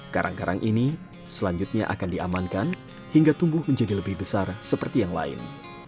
karang karang ini selanjutnya akan diamankan hingga tumbuh menjadi lebih besar seperti yang lain